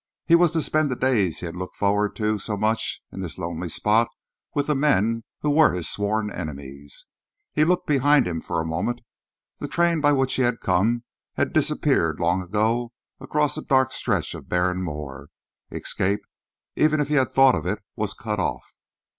He was to spend the days he had looked forward to so much in this lonely spot with the men who were his sworn enemies. He looked behind him for a moment. The train by which he had come had disappeared long ago across a dark stretch of barren moor. Escape, even if he had thought of it, was cut off.